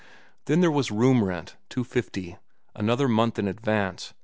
Then there was room rent, $2.50; another month in advance, $2.